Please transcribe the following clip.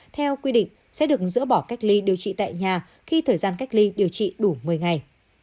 theo quy định sẽ được dỡ bỏ cách ly điều trị tại nhà khi thời gian cách ly điều trị đủ một mươi ngày